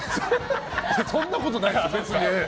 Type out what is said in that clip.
そんなことないよ、別に。